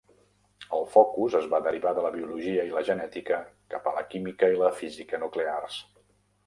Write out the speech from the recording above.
El focus es va derivar de la biologia i la genètica cap a la química i la física nuclears.